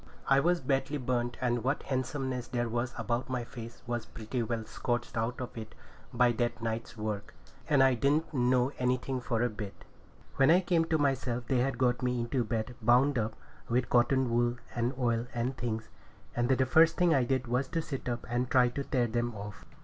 I was badly burnt, and what handsomeness there was about my face was pretty well scorched out of it by that night's work; and I didn't know anything for a bit. When I come to myself, they had got me into bed bound up with cotton wool and oil and things. And the first thing I did was to sit up and try to tear them off.